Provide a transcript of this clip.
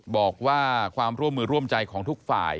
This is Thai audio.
บอกว่าความร่วมมือร่วมใจของทุกฝ่าย